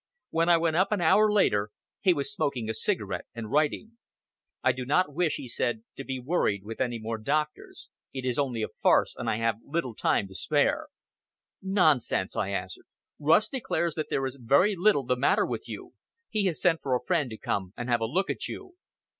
When I went up an hour later, he was smoking a cigarette and writing. "I do not wish," he said, "to be worried with any more doctors. It is only a farce, and I have little time to spare." "Nonsense!" I answered. "Rust declares that there is very little the matter with you. He has sent for a friend to come and have a look at you."